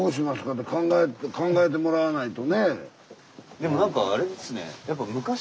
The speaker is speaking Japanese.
でもなんかあれですね